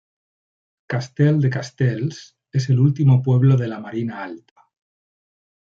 Castell de Castells es el último pueblo de la Marina Alta.